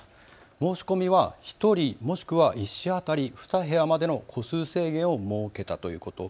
申し込みは１人、もしくは１社当たり２部屋までの戸数制限を設けたということ。